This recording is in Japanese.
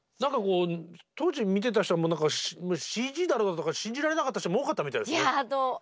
当時見てた人はＣＧだろうとか信じられなかった人も多かったみたいですね。